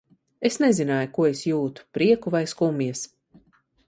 Es nezināju, ko es jūtu : prieku vai skumjas.